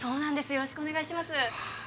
よろしくお願いしますああ